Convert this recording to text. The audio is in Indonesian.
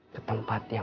ke tempat yang